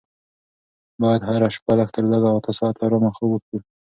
باید هره شپه لږ تر لږه اته ساعته ارامه خوب وکړو.